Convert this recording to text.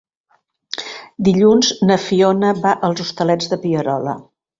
Dilluns na Fiona va als Hostalets de Pierola.